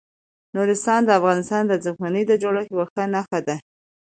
نورستان د افغانستان د ځمکې د جوړښت یوه ښه نښه ده.